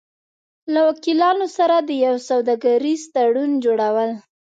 -له وکیلانو سره د یو سوداګریز تړون جوړو ل